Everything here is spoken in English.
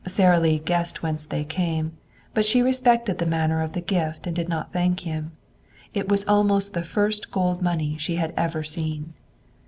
Sara Lee guessed whence they came, but she respected the manner of the gift and did not thank him. It was almost the first gold money she had ever seen.